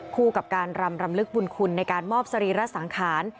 คู่กับการรำรำลึกบุญคุณในการมอบสรีระสังขาร